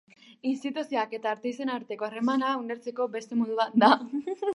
Instituzioak eta artisten arteko harremana ulertzeko beste modu bat da.